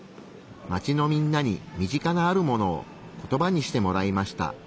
街のみんなに身近なあるものをコトバにしてもらいました。